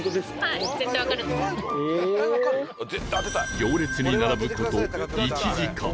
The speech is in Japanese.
行列に並ぶ事１時間